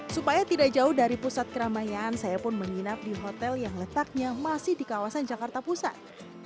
supaya tidak jauh dari pusat keramaian saya pun menginap di hotel yang letaknya masih di kawasan jakarta pusat